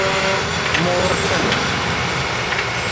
Muurata.